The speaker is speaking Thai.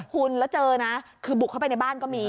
คุณแล้วเจอนะคือบุกเข้าไปในบ้านก็มี